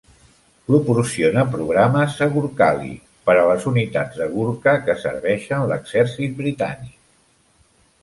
Proporciona programes a Gurkhali, per a les unitats de Gurkha que serveixen l'exèrcit britànic.